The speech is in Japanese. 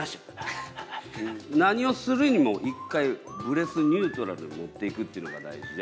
何をするにも一回、ブレスニュートラルに持っていくっていうのが大事で。